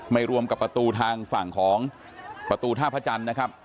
รวมกับประตูทางฝั่งของประตูท่าพระจันทร์นะครับ